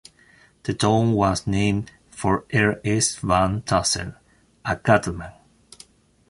The town was named for R. S. Van Tassell, a cattleman.